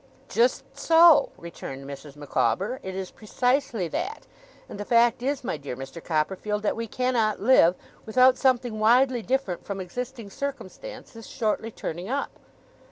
'Just so,' returned Mrs. Micawber, 'It is precisely that. And the fact is, my dear Mr. Copperfield, that we can not live without something widely different from existing circumstances shortly turning up.